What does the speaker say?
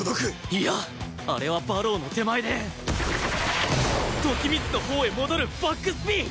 いやあれは馬狼の手前で時光のほうへ戻るバックスピン！